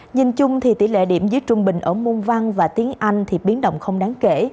nhìn chung thì tỷ lệ điểm dưới trung bình ở môn văn và tiếng anh thì biến động không đáng kể